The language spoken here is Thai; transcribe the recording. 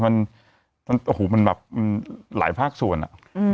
มันโอ้โหมันแบบมันหลายภาคส่วนอ่ะอืม